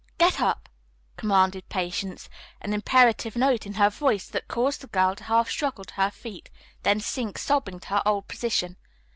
"Get up!" commanded Patience, an imperative note in her voice that caused the girl to half struggle to her feet, then sink sobbing to her old position.